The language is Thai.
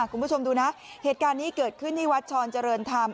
คุณผู้ชมดูนะเหตุการณ์นี้เกิดขึ้นที่วัดชรเจริญธรรม